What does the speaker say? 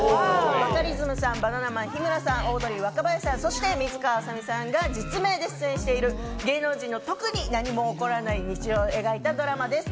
バカリズムさん、バナナマン・日村さん、オードリー・若林さん、そして、水川あさみさんが出演している芸能人の特に何も起こらない日常を描いたドラマです。